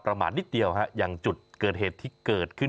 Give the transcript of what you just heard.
มานิดเดียวฮะอย่างจุดเกิดเหตุที่เกิดขึ้น